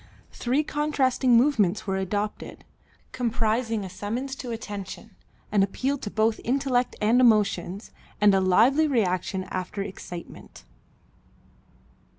Three contrasting movements were adopted, comprising a summons to attention, an appeal to both intellect and emotions, and a lively reaction after excitement.